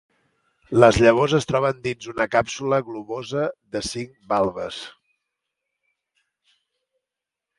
Les llavors es troben dins una càpsula globosa de cinc valves.